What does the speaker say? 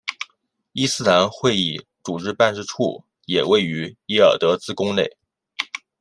伊斯兰会议组织办事处也位于耶尔德兹宫内。